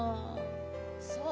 そう？